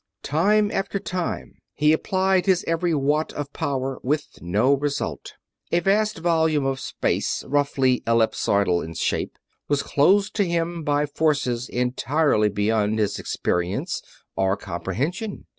Time after time he applied his every watt of power, with no result. A vast volume of space, roughly ellipsoidal in shape, was closed to him by forces entirely beyond his experience or comprehension.